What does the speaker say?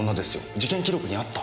事件記録にあった。